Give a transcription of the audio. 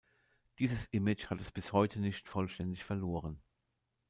Dieses Image hat es bis heute nicht vollständig verloren.